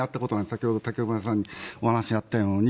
先ほど武隈さんのお話にあったように。